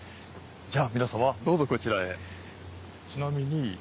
じゃあ皆様どうぞこちらへ。